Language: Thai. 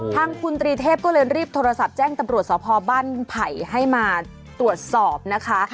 ทางคุณตรีเทพก็เลยรีบโทรศัพท์แจ้งตำรวจสพบ้านไผ่ให้มาตรวจสอบนะคะ